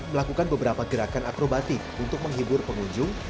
melakukan beberapa gerakan akrobatik untuk menghibur pengunjung